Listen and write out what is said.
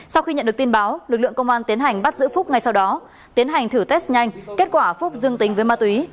sau khi nhận được tin báo lực lượng công an tiến hành bắt giữ phúc ngay sau đó tiến hành thử test nhanh kết quả phúc dương tính với ma túy